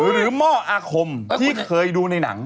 หม้ออาคมที่เคยดูในหนัง